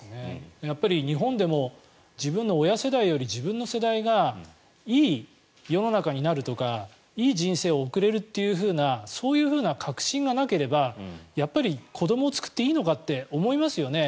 やっぱり日本でも自分の親世代より自分の世代がいい世の中になるとかいい人生を送れるというようなそういう確信がなければやっぱり子どもを作っていいのかって思いますよね。